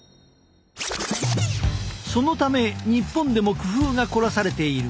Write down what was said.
そのため日本でも工夫が凝らされている。